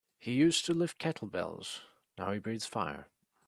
He used to lift kettlebells now he breathes fire.